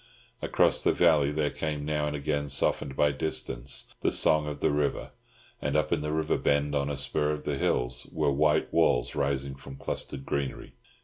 Across the valley there came now and again, softened by distance, the song of the river; and up in the river bend, on a spur of the hills, were white walls rising from clustered greenery.